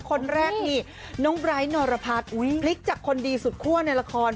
คนแรกนี่น้องไบร์ทนรพัฒน์พลิกจากคนดีสุดคั่วในละคร